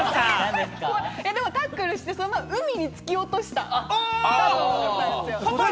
でもタックルして、そのまま海に突き落としたんだと思ったんですよ。